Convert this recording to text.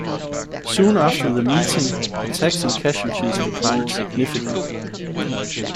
Soon after the meeting, attacks and casualties declined significantly.